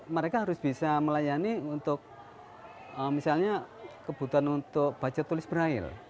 mereka harus bisa melayani untuk misalnya kebutuhan untuk baca tulis berair